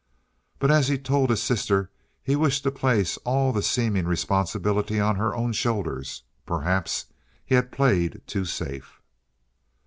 But as he told his sister, he wished to place all the seeming responsibility on her own shoulders. Perhaps he had played too safe.